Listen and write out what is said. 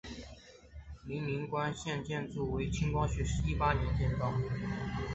蔚岭关现建筑为清光绪十八年重建。